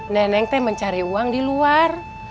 neneng teh mencari uang di luar